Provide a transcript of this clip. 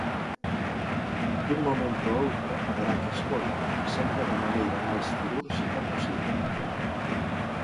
Dun momento a outro haberá que expolo, sempre da maneira máis cirúrxica posible.